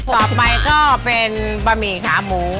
ต่อไปก็เป็นบะหมี่ขาหมู